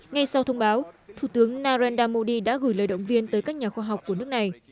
ngay sau thông báo thủ tướng narendra modi đã gửi lời động viên tới các nhà khoa học của nước này